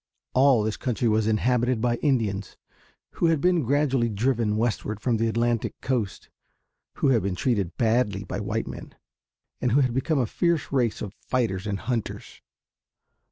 All this country was inhabited by Indians who had been gradually driven westward from the Atlantic coast, who had been treated badly by white men, and who had become a fierce race of fighters and hunters.